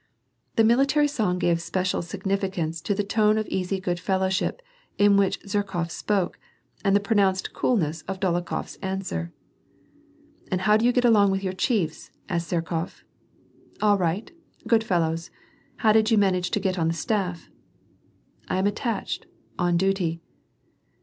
The military song gave a special significance to the tone of easy good fellowship in which Zherkof spoke, and the pro nounced coolness of Dolokhof's answer. " And how do you get along with your chiefs ?" asked Zher kof. All right ; good fellows. How did you manage to get on the BtaflF ?"" I am attached — on duty."